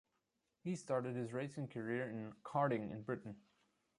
He started his racing career in karting in Britain.